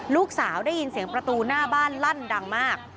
ลูกสาวได้ยินเสียงประตูหน้าบ้านลั่นดังมาก